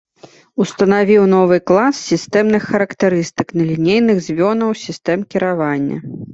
Устанавіў новы клас сістэмных характарыстык нелінейных звёнаў сістэм кіравання.